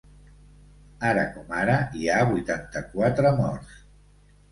Ara com ara, hi ha vuitanta-quatre morts.